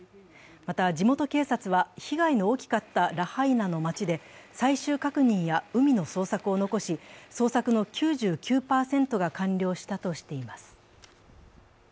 また、地元警察は被害の大きかったラハイナの町で最終確認や海の捜索を残し捜索の９９％が完了したとしています。